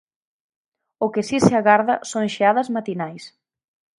O que si se agarda son xeadas matinais.